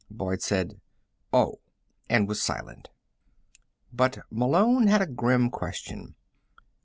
Boyd said: "Oh," and was silent. But Malone had a grim question.